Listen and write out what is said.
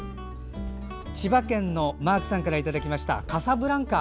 千葉県のマークさんからいただきましたカサブランカ。